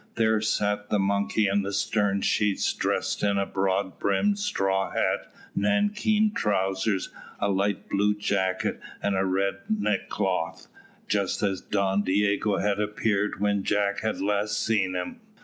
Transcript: There sat the monkey in the stern sheets, dressed in a broad brimmed straw hat, nankeen trousers, a light blue jacket, and a red neckcloth, just as Don Diogo had appeared when Jack had last seen him.